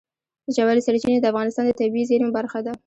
ژورې سرچینې د افغانستان د طبیعي زیرمو برخه ده.